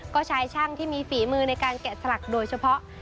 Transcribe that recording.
ก็ใช้ช่างที่มีฝีมือในการแกะสลักโดยเฉพาะ